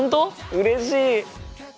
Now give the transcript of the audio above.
うれしい。